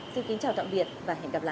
xin kính chào tạm biệt và hẹn gặp lại